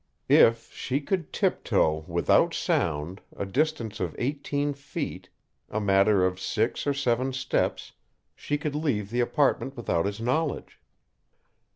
If she could tiptoe without sound a distance of eighteen feet, a matter of six or seven steps, she could leave the apartment without his knowledge.